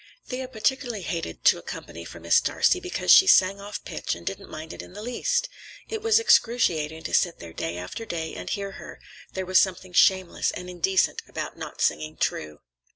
Thea particularly hated to accompany for Miss Darcey because she sang off pitch and didn't mind it in the least. It was excruciating to sit there day after day and hear her; there was something shameless and indecent about not singing true.